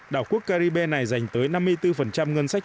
đảo quốc caribe này dành tới năm mươi bốn ngân sách